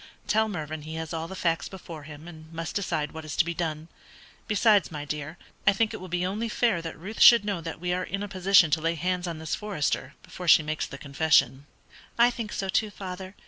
Tell Mervyn he has all the facts before him, and must decide what is to be done. Besides, my dear, I think it will be only fair that Ruth should know that we are in a position to lay hands on this Forester before she makes the confession." "I think so too, father.